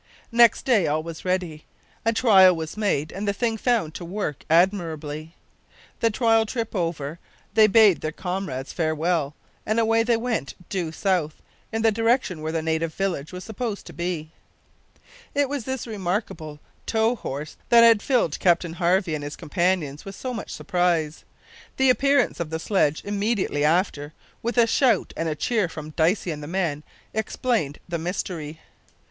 Next day all was ready. A trial was made and the thing found to work admirably. The trial trip over, they bade their comrades farewell, and away they went due south, in the direction where the native village was supposed to be. It was this remarkable tow horse that had filled Captain Harvey and his companions with so much surprise. The appearance of the sledge immediately after, with a shout and a cheer from Dicey and the men, explained the mystery.